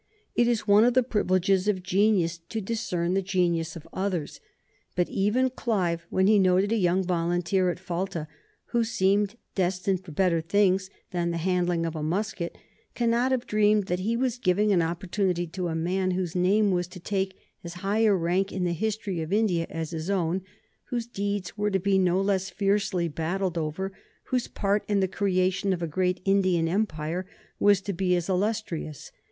It is one of the privileges of genius to discern the genius of others. But even Clive, when he noted a young volunteer at Falta, who seemed destined for better things than the handling of a musket, cannot have dreamed that he was giving an opportunity to a man whose name was to take as high a rank in the history of India as his own, whose deeds were to be no less fiercely battled over, whose part in the creation of a great Indian Empire was to be as illustrious.